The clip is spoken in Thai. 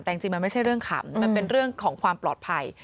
แต่จริงมันไม่ใช่เรื่องขำมันเป็นเรื่องของความปลอดภัย